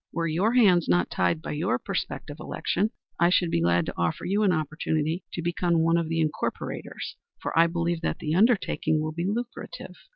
Were your hands not tied by your prospective election, I should be glad to offer you an opportunity to become one of the incorporators, for I believe that the undertaking will be lucrative.